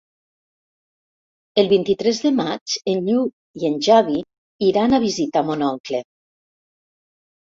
El vint-i-tres de maig en Lluc i en Xavi iran a visitar mon oncle.